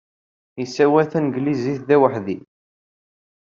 Yessawal Tanglizit d aweḥdi.